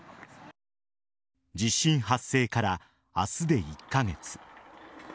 地震発生から明日で１カ月。